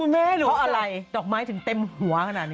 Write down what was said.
ไม่รู้เพราะอะไรดอกไม้ถึงเต็มหัวขนาดนี้